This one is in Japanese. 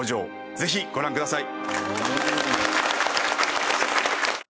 ぜひご覧ください。